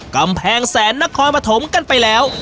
กำแพงแสนนครปฐมกันไปแล้ว